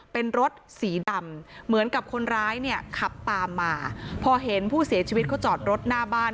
เป็นรถสีดำเหมือนกับคนร้ายเนี่ยขับตามมาพอเห็นผู้เสียชีวิตเขาจอดรถหน้าบ้าน